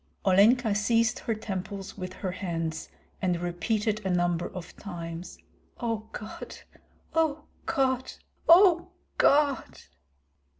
Olenka seized her temples with her hands, and repeated a number of times: "O God! O God! O God!"